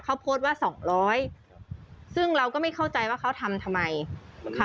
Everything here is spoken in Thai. เขาโพสต์ว่าสองร้อยซึ่งเราก็ไม่เข้าใจว่าเขาทำทำไมค่ะ